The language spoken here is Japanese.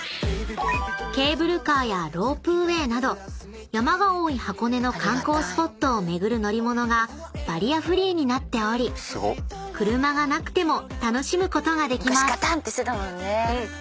［ケーブルカーやロープウエーなど山が多い箱根の観光スポットを巡る乗り物がバリアフリーになっており車がなくても楽しむことができます］